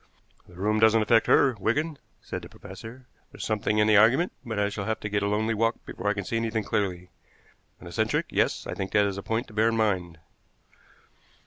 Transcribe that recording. "The room doesn't affect her, Wigan," said the professor. "There's something in the argument, but I shall have to get a lonely walk before I can see anything clearly. An eccentric; yes, I think that is a point to bear in mind."